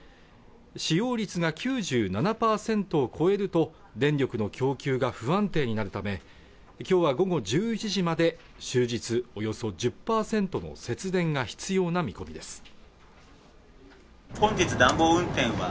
使用率が９７％を超えると電力の供給が不安定になるため今日は午後１１時まで終日およそ１０％の節電が必要な見込みです